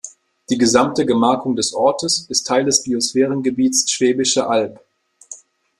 Die gesamte Gemarkung des Ortes ist Teil des Biosphärengebiets Schwäbische Alb.